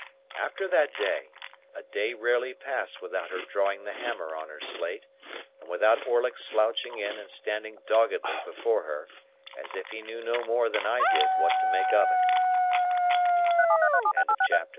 After that day, a day rarely passed without her drawing the hammer on her slate, and without Orlick's slouching in and standing doggedly before her, as if he knew no more than I did what to make of it. Chapter XVII.